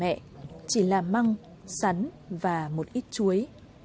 mẹ chỉ làm măng sắn và một ít chuối